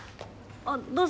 あっどうぞ。